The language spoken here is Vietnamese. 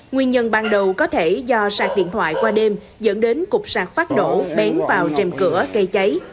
nguyên nhân ban đầu có thể do sạc điện thoại qua đêm dẫn đến cục sạc phát đổ bén vào trềm cửa cây cháy